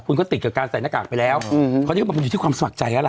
คุณก็ติดกับการใส่หน้ากากไปแล้วคราวนี้เขาบอกมันอยู่ที่ความสมัครใจแล้วล่ะ